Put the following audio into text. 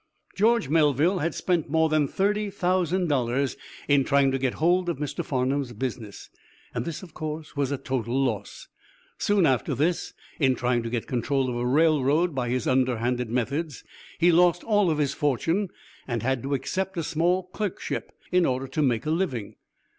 George Melville had spent more than thirty thousand dollars in trying to get hold of Mr. Farnum's business. This, of course, was a total loss. Soon after this, in trying to get control of a railroad by his underhand methods, he lost all of his fortune and had to accept a small clerkship in order to make a living.